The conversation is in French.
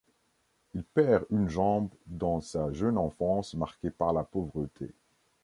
Il perd une jambe dans sa jeune enfance marquée par la pauvreté.